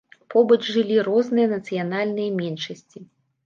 Побач жылі розныя нацыянальныя меншасці.